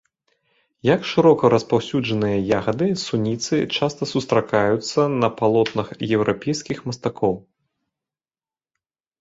Як шырока распаўсюджаныя ягады, суніцы часта сустракаюцца на палотнах еўрапейскіх мастакоў.